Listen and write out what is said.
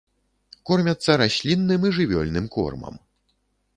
Кормяцца раслінным і жывёльным кормам.